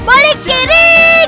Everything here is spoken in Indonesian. balik kiri keras